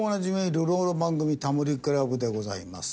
流浪の番組『タモリ倶楽部』でございます。